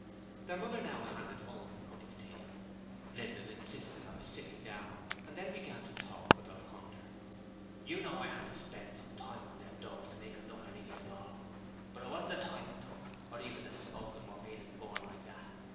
Their mother now handed Owen a cup of tea. Linden insisted on his sitting down and then began to talk about Hunter. 'You know I HAD to spend some time on them doors to make 'em look anything at all; but it wasn't the time I took, or even the smoking what made 'im go on like that.